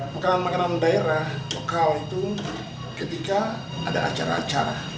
makanan makanan daerah lokal itu ketika ada acara acara